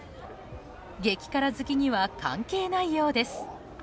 激辛好きには関係ないようです。